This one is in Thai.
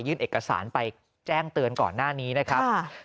เอกสารไปแจ้งเตือนก่อนหน้านี้นะครับ